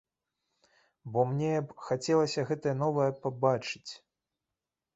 Бо мне б хацелася гэтае новае пабачыць.